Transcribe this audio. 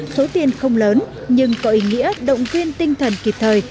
số tiền không lớn nhưng có ý nghĩa động viên tinh thần kịp thời